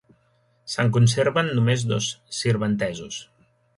Se'n conserven només dos sirventesos.